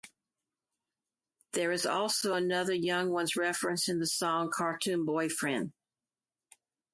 There is also another Young Ones reference in the song "Cartoon Boyfriend".